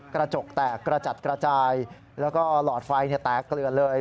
กระจกแตกกระจัดกระจายแล้วก็หลอดไฟแตกเกลือเลย